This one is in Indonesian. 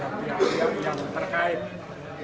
pemilu kita akan terkaitin yang berkompeten dengan pernyataan